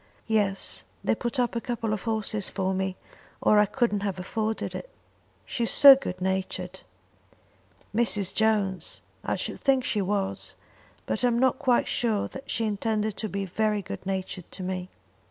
"Yes; they put up a couple of horses for me, or I couldn't have afforded it." "She is so good natured." "Mrs. Jones! I should think she was; but I'm not quite sure that she intended to be very good natured to me."